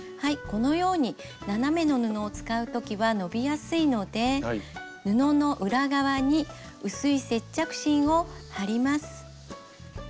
このように斜めの布を使う時は伸びやすいので布の裏側に薄い接着芯を貼ります。